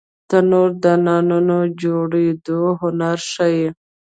تنور د نانونو جوړېدو هنر ښيي